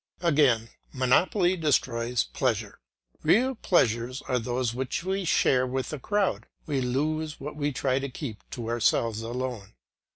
Again, monopoly destroys pleasure. Real pleasures are those which we share with the crowd; we lose what we try to keep to ourselves alone.